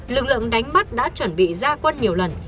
lực lượng đánh bắt đã chuẩn bị ra quân nhiều lần